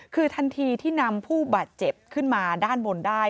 คือทันทีที่นำผู้บาดเจ็บขึ้นมาด้านบนได้